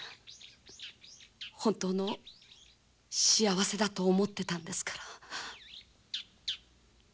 本当の幸せだと思ってたんですから。